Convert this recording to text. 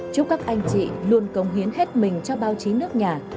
chúc các anh chị luôn công hiến hết mình cho báo chí nước nhà